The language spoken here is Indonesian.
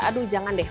aduh jangan deh